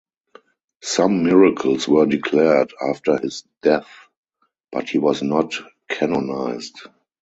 Some miracles were declared after his death but he was not canonised.